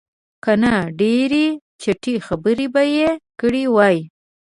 که نه ډېرې چټي خبرې به یې کړې وې.